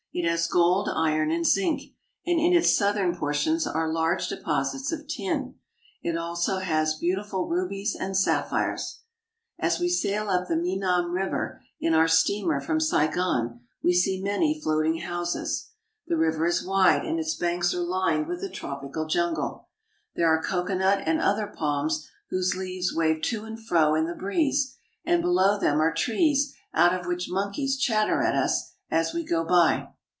It has gold, iron, and zinc ; and in its southern portions are large deposits of tin. It has also beautiful rubies and sapphires. As we sail up the Menam River in our steamer from 190 SIAM AND THE SIAMESE Saigon, we see many floating houses. The river is wide, and its banks are lined with a tropical jungle. There are coconut and other palms whose leaves wave to and fro in the breeze and below them are trees out of which monkeys chatter at us as we go by.